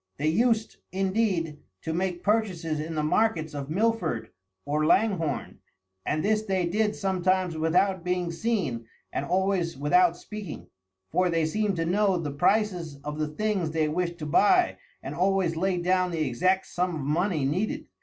They used, indeed, to make purchases in the markets of Milford or Langhorne, and this they did sometimes without being seen and always without speaking, for they seemed to know the prices of the things they wished to buy and always laid down the exact sum of money needed.